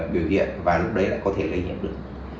biểu hiện và lúc đấy là có thể lấy nhiễm được